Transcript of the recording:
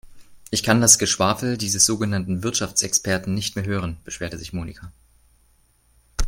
Ich kann das Geschwafel dieses sogenannten Wirtschaftsexperten nicht mehr hören, beschwerte sich Monika.